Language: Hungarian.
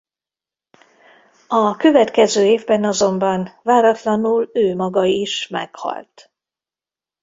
A következő évben azonban váratlanul ő maga is meghalt.